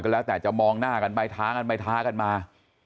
แล้วแต่จะมองหน้ากันไปท้ากันไปท้ากันมา